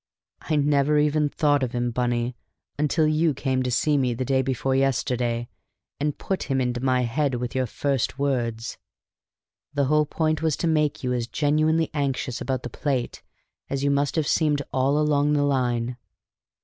"I never even thought of him, Bunny, until you came to see me the day before yesterday, and put him into my head with your first words. The whole point was to make you as genuinely anxious about the plate as you must have seemed all along the line."